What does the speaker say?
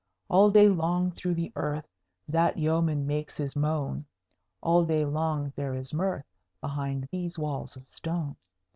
All day long through the earth That yeoman makes his moan; All day long there is mirth Behind these walls of stone.